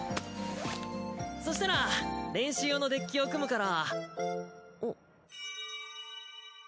そしたら練習用のデッキを組むから。